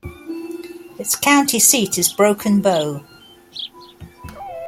Its county seat is Broken Bow.